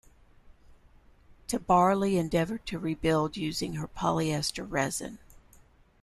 Tabarly endeavoured to rebuild her using polyester resin.